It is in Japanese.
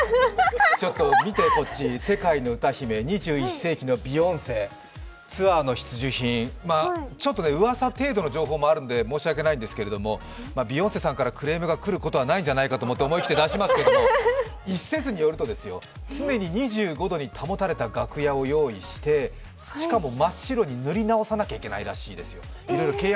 ちょっと見てこっち世界の歌姫、２１世紀の歌姫・ビヨンセツアーの必需品、ちょっとうわさ程度の情報もあるので申し訳ないんですけどビヨンセさんからクレームが来ることはないんじゃないかと思って思い切って出しますけど、一説によると常に２５度に保たれた楽屋を用意してしかも真っ白に塗り直さないといけないらしいですよ。